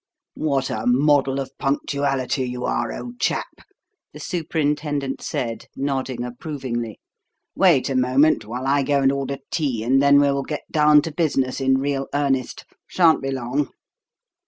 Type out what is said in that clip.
"What a model of punctuality you are, old chap," the superintendent said, nodding approvingly. "Wait a moment while I go and order tea, and then we will get down to business in real earnest. Shan't be long."